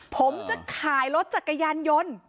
ผมจะขายรถจักรยานยนต์